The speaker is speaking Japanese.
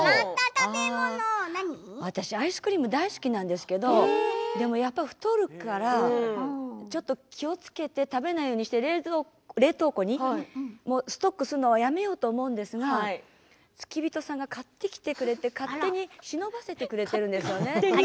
私はアイスクリームが大好きなんですけれど太るからちょっと気をつけて食べるようにして冷凍庫にストックするのはやめようと思うんですが付き人さんが買ってきてくれて勝手にしのばせてくれているんですよね。